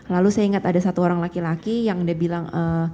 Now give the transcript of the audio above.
lalu saya ingat ada satu orang laki laki yang dia bilang